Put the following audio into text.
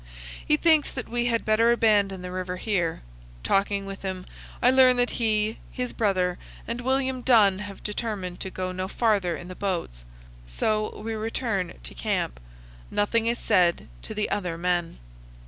He thinks that we had better abandon the river here. Talking with him, I learn that he, his brother, and William Dunn have determined to go no farther in the boats. So we return to camp. Nothing is said to the other men.